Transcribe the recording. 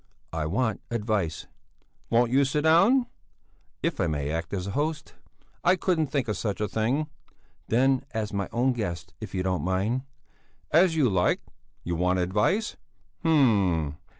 "I want advice." "Won't you sit down?" "If I may act as host...." "I couldn't think of such a thing." "Then as my own guest, if you don't mind." "As you like! You want advice? Hm!